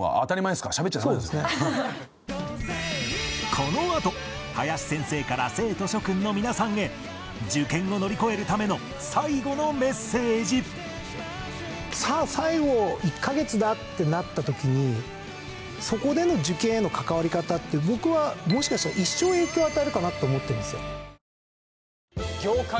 このあと林先生から生徒諸クンの皆さんへ受験を乗り越えるための最後のメッセージさあ最後１カ月だってなった時にそこでの受験への関わり方って僕はもしかしたら一生影響を与えるかなって思ってるんですよ。